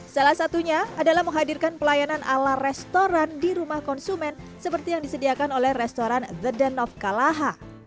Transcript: salah satunya adalah menghadirkan pelayanan ala restoran di rumah konsumen seperti yang disediakan oleh restoran then of kalaha